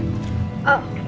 ibu lagi istirahat mas di kamar